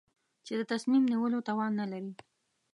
چې د تصمیم نیولو توان نه لري.